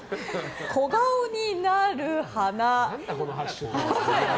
小顔になる花」。